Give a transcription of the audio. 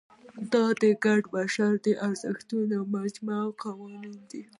دا د ګډو بشري ارزښتونو مجموعې او قوانین دي.